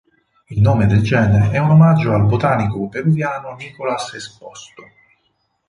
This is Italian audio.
Il nome del genere è un omaggio al botanico peruviano Nicolas Esposto.